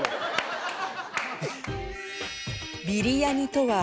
ビリヤニ。